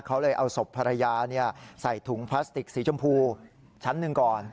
เขาเลยเอาศพภรรยาใส่ถุงพลาสติกสีชมพูชั้นหนึ่งก่อน